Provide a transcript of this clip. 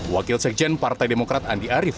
wakil sekjen partai demokrat andi arief